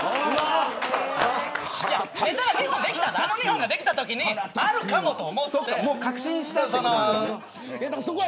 ネタがあの２本ができたときにあるかもと思って。